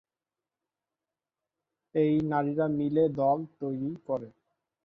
এই নারীরা মিলে দল তৈরি করে।